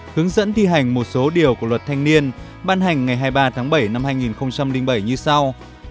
hướng dẫn thi hành một số điều của luật thanh niên ban hành ngày hai mươi ba tháng bảy năm hai nghìn bảy như sau